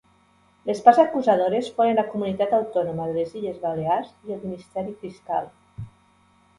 Les parts acusadores foren la Comunitat Autònoma de les Illes Balears i el Ministeri Fiscal.